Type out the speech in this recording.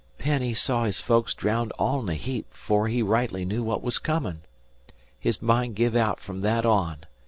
Penn he saw his folk drowned all'n a heap 'fore he rightly knew what was comin'. His mind give out from that on.